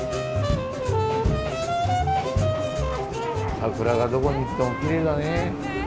桜がどこに行ってもきれいだね。